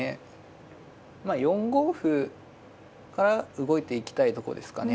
まあ４五歩から動いていきたいとこですかね。